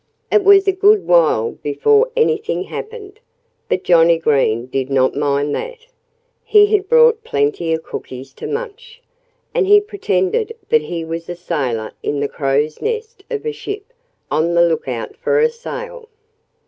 It was a good while before anything happened. But Johnnie Green did not mind that. He had brought plenty of cookies to munch. And he pretended that he was a sailor in the crow's nest of a ship, on the lookout for a sail.